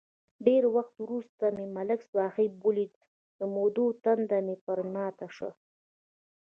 ډېر وخت ورسته مې ملک صاحب ولید، د مودو تنده مې پرې ماته شوه.